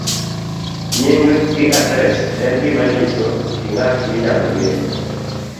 Nying' gi adres en gima nyiso i ng'at minyalo gen.